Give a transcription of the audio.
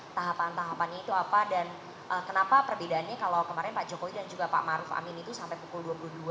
tahapan tahapannya itu apa dan kenapa perbedaannya kalau kemarin pak jokowi dan juga pak maruf amin itu sampai pukul dua puluh dua